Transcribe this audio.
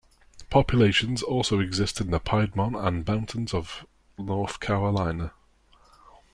Populations also exist in the Piedmont and mountains of North Carolina.